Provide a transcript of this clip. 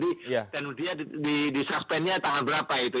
dan dia di suspendnya tanggal berapa itu